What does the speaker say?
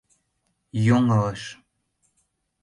Йоҥылыш.